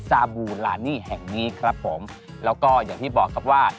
ซาบูลานี่แห่งนี้ครับผมแล้วก็อย่างที่บอกครับว่า